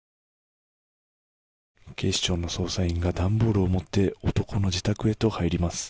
警視庁の捜査員が段ボールを持って男の自宅へと入ります。